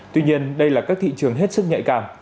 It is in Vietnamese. tuy nhiên đây là các thị trường hết sức nhạy cảm